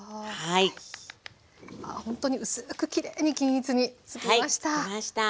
あほんとに薄くきれいに均一につきました。